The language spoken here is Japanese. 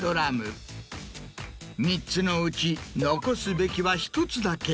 ３つのうち残すべきは１つだけ。